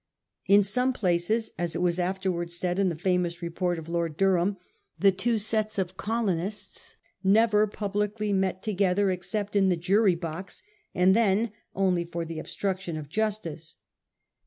In some places, as it was afterwards said in the famous report of Lord Durham, the two sets of colonists never publicly met together except in the jury box, and then only for the obstruction of justice.